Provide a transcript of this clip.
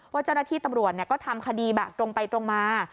ว่าเจ้าหน้าที่ตำรวจเนี่ยก็ทำคดีบัตรตรงไปตรงมา